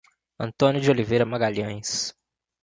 Antônio de Oliveira Magalhaes